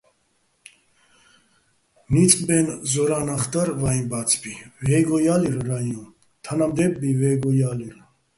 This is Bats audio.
ნიწყ ბაჲნი̆, ზორა́ჼ ნახ დარ ვაჲ ბა́ცბი, ვაჲგო ჲა́ლირ რაიოჼ, თანამდე́ბბი ვაჲგო ჲა́ლირ.